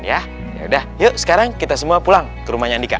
ya yaudah yuk sekarang kita semua pulang ke rumahnya andika